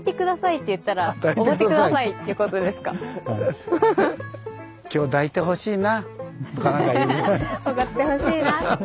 奢ってほしいな。